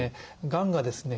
がんがですね